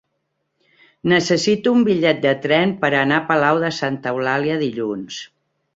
Necessito un bitllet de tren per anar a Palau de Santa Eulàlia dilluns.